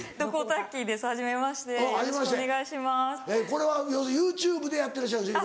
これは要するにＹｏｕＴｕｂｅでやってらっしゃるんでしょ？